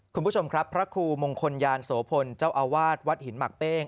คุณผู้ชมครับพระครูมงคลยานโสพลเจ้าอาวาสวัดหินหมากเป้ง